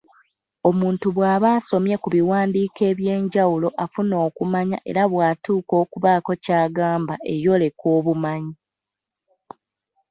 Omuntu bw’aba asomye ku biwandiiko eby’enjawulo afuna okumanya era bw’atuuka okubaako ky’agamba eyoleka obumanyi.